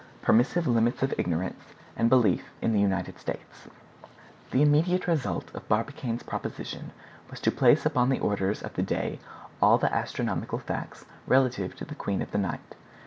PERMISSIVE LIMITS OF IGNORANCE AND BELIEF IN THE UNITED STATES The immediate result of Barbicane's proposition was to place upon the orders of the day all the astronomical facts relative to the Queen of the Night.